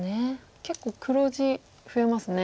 結構黒地増えますね。